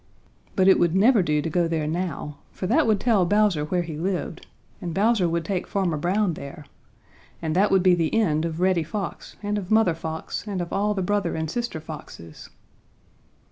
But it would never do to go there now, for that would tell Bowser where he lived, and Bowser would take Farmer Brown there, and that would be the end of Reddy Fox and of Mother Fox and of all the brother and sister foxes.